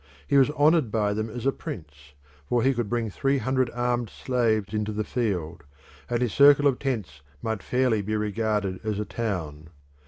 He was honoured by them as a prince, for he could bring three hundred armed slaves into the field, and his circle of tents might fairly be regarded as a town.